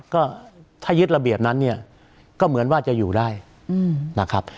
ก็ถ้ายึดระเบียบนั้นเนี่ยก็เหมือนว่าจะอยู่ได้นะครับ